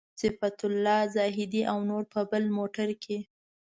صفت الله زاهدي او نور په بل موټر کې.